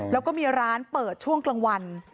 แล้วก็มีร้านเปิดช่วงกลางวัน